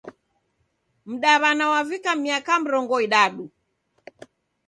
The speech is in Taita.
Mdaw'ana wavika miaka mrongo idadu.